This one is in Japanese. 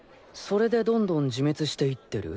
それでどんどん自滅していってる？